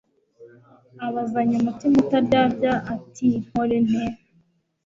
abazanya umutima utaryarya ati: «nkore nte?»